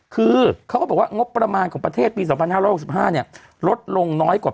คือเขาก็บอกว่างบประมาณของประเทศปี๒๕๖๕ลดลงน้อยกว่า